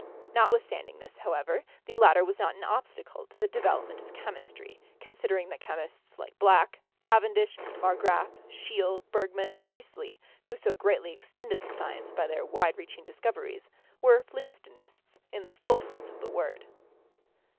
Notwithstanding this, however, the latter was not an obstacle to the development of chemistry, considering that chemists like Black, Cavendish, Marg graf, Scheele, Bergman, and Priestley, who so greatly extended the science by their wide reaching discoveries, were phlogistonists in the full sense of the word.